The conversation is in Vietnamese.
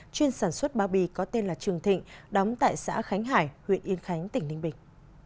chuyên sản xuất bao bì có tên là trường thịnh đóng tại xã khánh hải huyện yên khánh tỉnh ninh bình